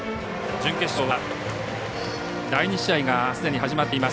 準決勝は第２試合がすでに始まっています。